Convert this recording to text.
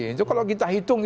itu kalau kita hitung